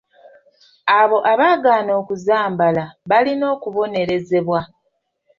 Abo abaagaana okuzambala balina okubonerezebwa.